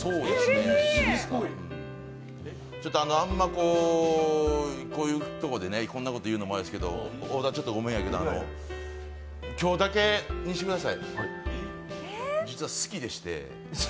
あんまこういうとこでこんなこと言うのあれですけど、太田、ちょっとごめんやけど今日だけ言わせてください。